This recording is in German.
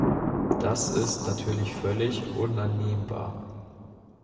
Das ist natürlich völlig unannehmbar.